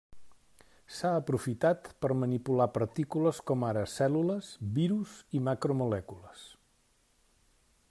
S'ha aprofitat per manipular partícules com ara cèl·lules, virus i macromolècules.